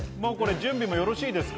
準備よろしいですか？